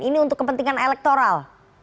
ini untuk kepentingan elektoral